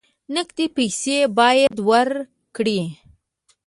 نقدې پیسې باید ورکړې.